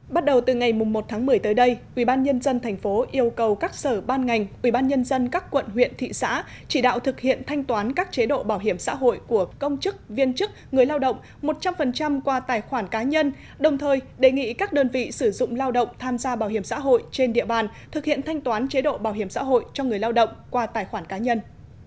bắt đầu từ ngày một tháng một mươi tới đây ubnd tp yêu cầu các sở ban ngành ubnd các quận huyện thị xã chỉ đạo thực hiện thanh toán các chế độ bảo hiểm xã hội của công chức viên chức người lao động một trăm linh qua tài khoản cá nhân đồng thời đề nghị các đơn vị sử dụng lao động tham gia bảo hiểm xã hội trên địa bàn thực hiện thanh toán chế độ bảo hiểm xã hội cho người lao động qua tài khoản cá nhân